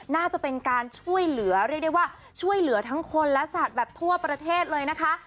น่าจะเป็นการช่วยเหลือเรียกได้ว่าช่วยเหลือทั้งคนและสัตว์แบบทั่วประเทศเลยนะคะ